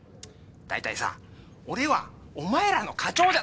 大体さ俺はお前らの課長じゃない！